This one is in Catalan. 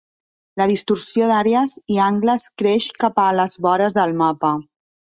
La distorsió d'àrees i angles creix cap a les vores del mapa.